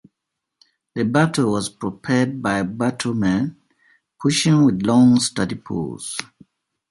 The bateau was propelled by bateaumen pushing with long sturdy poles.